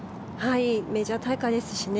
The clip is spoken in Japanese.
メジャー大会ですしね